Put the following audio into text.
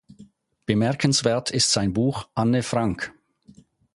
Bemerkenswert ist sein Buch "Anne Frank.